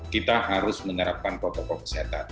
kita harus menerapkan protokol kesehatan